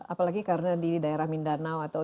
apalagi karena di daerah mindanao atau